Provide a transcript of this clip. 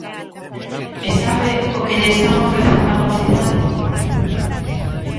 ¿E sabe o que lle están ofrecendo á mocidade?